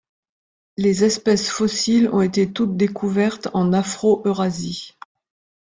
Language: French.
Les espèces fossiles ont été toute découvertes en Afro-Eurasie.